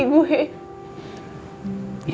nggak ada di posisi gue